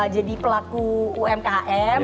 jadi pelaku umkm